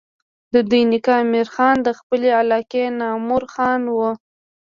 د دوي نيکه امير خان د خپلې علاقې نامور خان وو